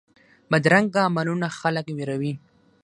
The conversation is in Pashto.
بدرنګه عملونه خلک ویروي